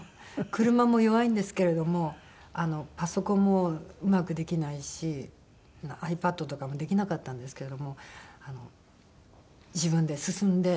車も弱いんですけれどもパソコンもうまくできないしｉＰａｄとかもできなかったんですけれども自分で進んで。